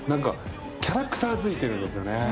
キャラクターづいてるんですよね。